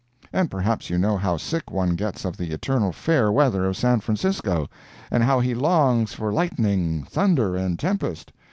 And perhaps you know how sick one gets of the eternal fair weather of San Francisco, and how he longs for lightning, thunder, and tempest!